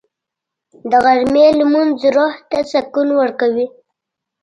د غرمې لمونځ روح ته سکون ورکوي